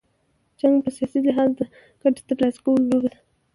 جنګ په سیاسي لحاظ، د ګټي تر لاسه کولو لوبه ده.